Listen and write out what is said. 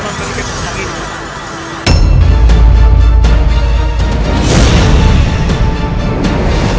mencari tujang itu